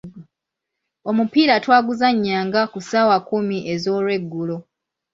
Omupiira twaguzannyanga ku ssaawa kkumi ez’olweggulo.